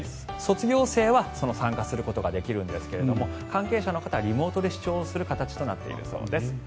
卒業生は参加することができるんですが関係者の方はリモートで視聴する形になっているそうです。